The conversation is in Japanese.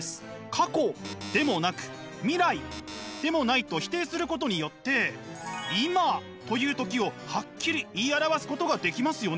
過去でもなく未来でもないと否定することによって「今」という時をハッキリ言い表すことができますよね。